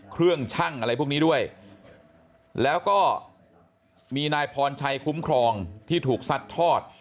ช่างอะไรพวกนี้ด้วยแล้วก็มีนายพรชัยคุ้มครองที่ถูกซัดทอด